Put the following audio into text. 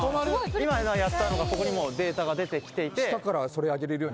今やったのがここにもうデータが出てきていて。